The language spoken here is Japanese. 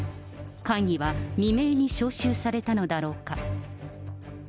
会議は未明に招集されたのだろうか。